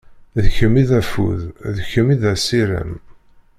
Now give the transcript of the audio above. D kemm i d affud, d kemm i d asirem.